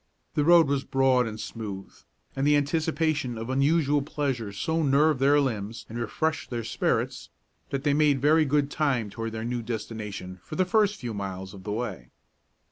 The road was broad and smooth, and the anticipation of unusual pleasure so nerved their limbs and refreshed their spirits that they made very good time toward their new destination for the first few miles of the way.